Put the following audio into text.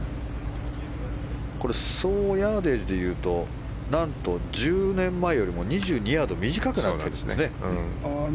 これ総ヤーデージでいうとなんと１０年前よりも２２ヤード短くなってるんですね。